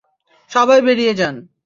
সবাই বেরিয়ে যান!